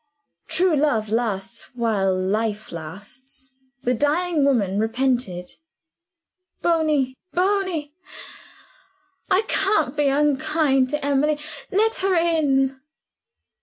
True love lasts while life lasts. The dying woman relented. "Bony! Bony! I can't be unkind to Emily. Let her in."